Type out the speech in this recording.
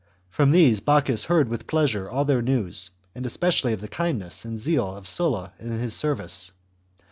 From these Bocchus heard with pleasure all their news, and especially of the kindness and zeal of Sulla in his service.